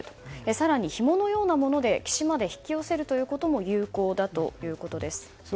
更に、ひものようなもので岸まで引き寄せることも有効だということです。